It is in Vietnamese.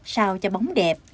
sao cho bóng đẹp